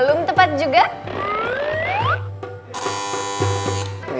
belum tepat juga